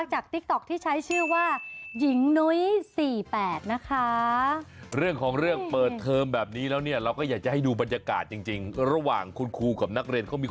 ว่าระว่าคุณครูกับนักเรียนเขามีความทราบมากมากไม๊